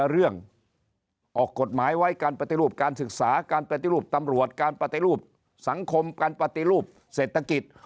เรื่องออกกฎหมายไว้การปฏิรูปการศึกษาการปฏิรูปตำรวจการปฏิรูปสังคมการปฏิรูปเศรษฐกิจ